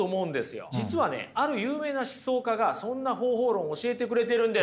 実はねある有名な思想家がそんな方法論教えてくれてるんです。